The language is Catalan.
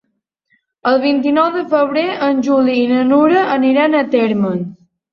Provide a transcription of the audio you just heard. El vint-i-nou de febrer en Juli i na Nura aniran a Térmens.